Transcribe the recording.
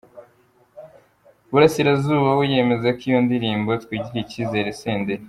Burasirazuba, we yemeza ko iyo ndirimbo Twigirire icyizere Senderi.